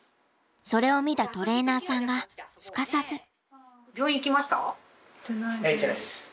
それを見たトレーナーさんがすかさず。